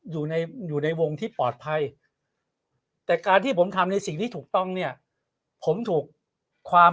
อยู่ในอยู่ในวงที่ปลอดภัยแต่การที่ผมทำในสิ่งที่ถูกต้องเนี่ยผมถูกความ